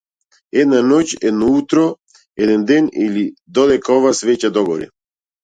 Една ноќ, едно утро, еден ден или додека оваа свеќа догори?